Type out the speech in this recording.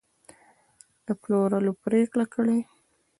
د پلورلو پرېکړه کړې